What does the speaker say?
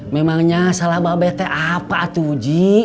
memangnya salah bawa bete apa tuh ji